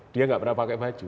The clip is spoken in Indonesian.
dia nggak pernah pakai baju